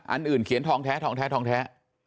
อันอื่นเขียนทองแท้ทองแท้ทองแท้